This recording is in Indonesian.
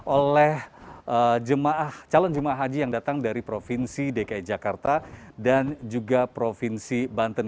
oleh calon jemaah haji yang datang dari provinsi dki jakarta dan juga provinsi banten